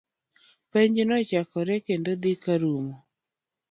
Penj nochakore kendo dhi karumo